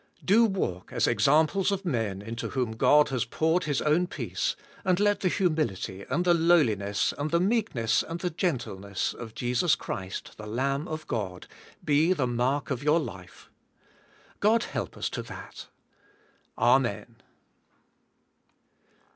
Do walk as examples of men, into whom God has poured His own peace, and let the humility and the lowliness and the meekness and the gentleness of Jesus Christ, the Lamb of God, be the mark of your life. God help us to that. Amen.